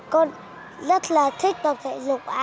con rất là thích tập thể dục